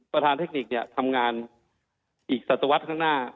ประธานเทคนิคเนี่ยทำงานอีกศัตวรรษข้างหน้า